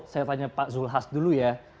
saya tanya pak zulhas dulu ya